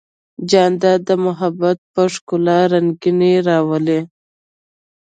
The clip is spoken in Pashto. جانداد د محبت په ښکلا رنګینی راولي.